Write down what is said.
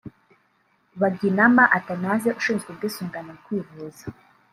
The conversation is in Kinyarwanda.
Baginama Athanase ushinzwe ubwisungane mu kwivuza